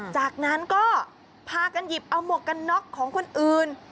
จากนั้นก็พากันหยิบเอาหมวกกันน็อกของคนอื่น